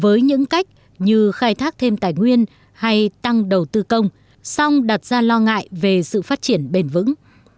với những cách như khai thác thêm tài nguyên hay tăng đầu tư công song đặt ra lo ngại về sự phát triển bền vững